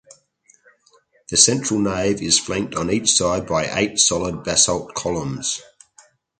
The central nave is flanked on each side by eight solid basalt columns.